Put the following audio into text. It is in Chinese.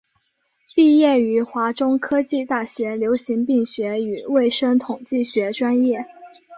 毕业于华中科技大学流行病学与卫生统计学专业。